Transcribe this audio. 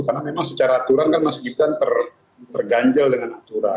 karena memang secara aturan kan mas gibran terganjel dengan aturan